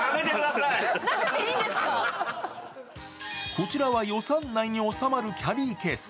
こちらは予算内に納まるキャリーケース。